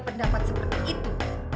pendapat seperti itu